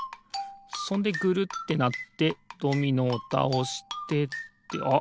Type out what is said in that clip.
そんでぐるってなってドミノをたおしてあっ